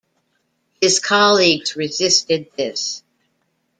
His colleagues resisted this.